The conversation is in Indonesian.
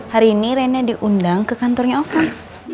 hari ini reina diundang ke kantornya ovan